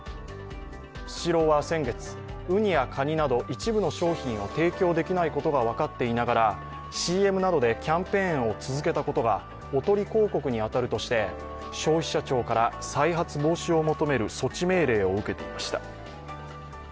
スシローは先月、うにやかになど一部の商品を提供できないことが分かっていながらＣＭなどでキャンペーンを続けたことがおとり広告に当たるとして消費者庁から再発防止を求める措置命令を受けていました。